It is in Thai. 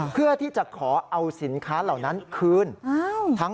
เพื่อที่จะขอเอาสินค้าเหล่านั้นคืน